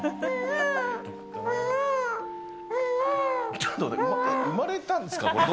ちょっと待って、生まれたんですか。